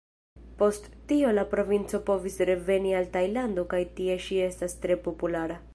Post tio la princino povis reveni al Tajlando kaj tie ŝi estas tre populara.